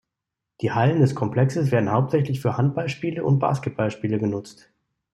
Die Hallen des Komplexes werden hauptsächlich für Handballspiele und Basketballspiele genutzt.